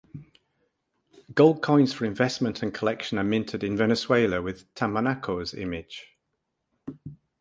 Gold coins for investment and collection are minted in Venezuela with Tamanaco's image.